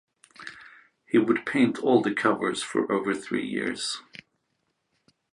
He would paint all the covers for over three years.